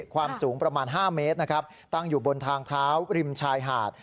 ความสูงประมาณ๕เมตรนะครับตั้งอยู่บนทางเท้าริมชายหาด